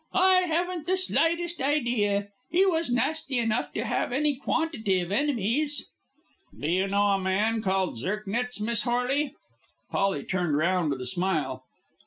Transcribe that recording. "I haven't the slightest idea. He was nasty enough to have any quantity of enemies." "Do you know a man called Zirknitz, Miss Horley?" Polly turned round with a smile.